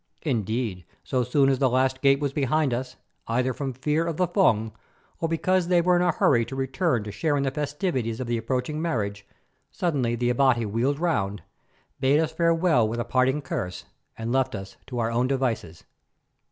Indeed, so soon as the last gate was behind us, either from fear of the Fung or because they were in a hurry to return to share in the festivities of the approaching marriage, suddenly the Abati wheeled round, bade us farewell with a parting curse, and left us to our own devices.